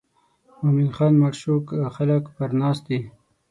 مومن خان مړ شو خلک پر ناست دي.